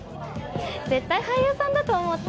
絶対俳優さんだと思った。